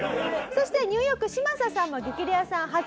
そしてニューヨーク嶋佐さんは『激レアさん』初登場です。